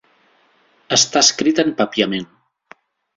Està escrit en papiament.